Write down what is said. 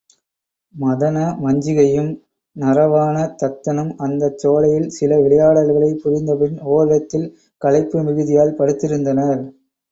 மதனமஞ்சிகையும் நரவாண தத்தனும் அந்தச் சோலையில் சில விளையாடல்களைப் புரிந்தபின் ஓரிடத்தில் களைப்பு மிகுதியால் படுத்திருந்தனர்.